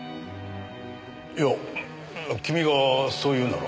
いや君がそう言うなら。